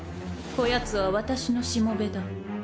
こやつは私のしもべだ。